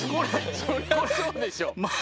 そりゃそうでしょ。